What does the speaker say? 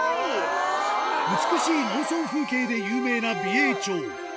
美しい農村風景で有名な美瑛町。